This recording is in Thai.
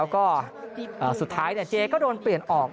แล้วก็สุดท้ายเจ๊ก็โดนเปลี่ยนออก